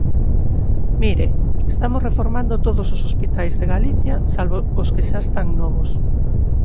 Mire, estamos reformando todos os hospitais de Galicia, salvo os que xa están novos.